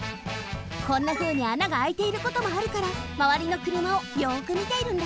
こんなふうにあながあいていることもあるからまわりのくるまをよくみているんだって。